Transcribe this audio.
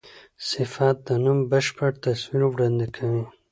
صفت د نوم بشپړ تصویر وړاندي کوي.